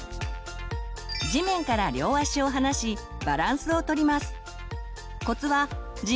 地面から両足を離しバランスをとります。